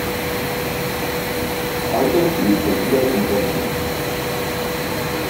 Heute lebt er wieder in Berlin.